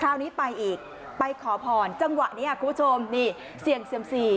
คราวนี้ไปอีกไปขอพรจังหวะนี้คุณผู้ชมนี่เสี่ยงเซียมซี